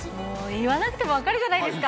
言わなくても分かるじゃないですか。